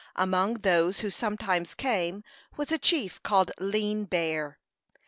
Among those who sometimes came was a chief called Lean Bear.